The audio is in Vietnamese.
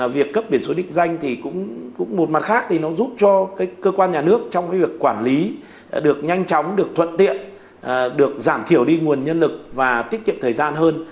việc cấp biển số định danh thì cũng một mặt khác thì nó giúp cho cơ quan nhà nước trong cái việc quản lý được nhanh chóng được thuận tiện được giảm thiểu đi nguồn nhân lực và tiết kiệm thời gian hơn